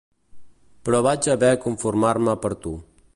Però vaig haver conformar-me per tu.